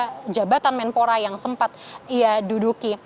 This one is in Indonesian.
kepala jabatan menpora yang sempat ia duduki